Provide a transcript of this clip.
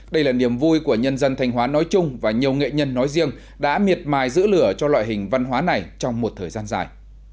đây là niềm vui của nhân dân thanh hóa nói chung và nhiều nghệ nhân nói riêng đã miệt mài giữ lửa cho loại hình văn hóa này trong một thời gian dài